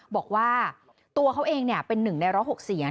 บอกว่าตัวเขาเองเป็นหนึ่งในร้องหกเสียง